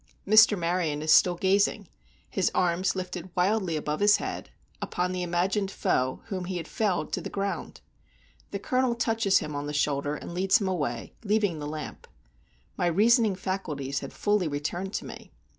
Mr. Maryon is still gazing, his arms lifted wildly above his head, upon the imagined foe whom he had felled to the ground. The Colonel touches him on the shoulder, and leads him away, leaving the lamp. My reasoning faculties had fully returned to me.